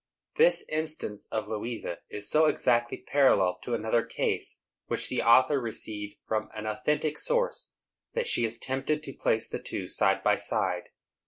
This instance of Louisa is so exactly parallel to another case, which the author received from an authentic source, that she is tempted to place the two side by side.